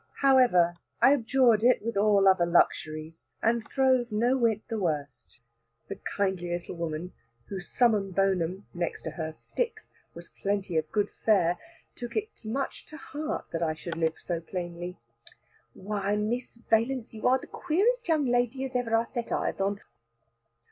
However, I abjured it with all other luxuries, and throve no whit the worse. The kindly little woman, whose summum bonum (next to her "sticks") was plenty of good fare, took it much to heart that I should live so plainly. "Why, Miss Valence, you are the queerest young lady as ever I set eyes on.